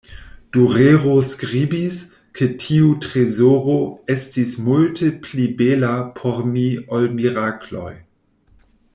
Durero skribis, ke tiu trezoro "estis multe pli bela por mi ol mirakloj.